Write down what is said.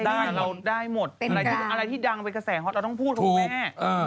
ได้เราได้หมดอะไรที่ดังเป็นกระแสฮอตเราต้องพูดคุณแม่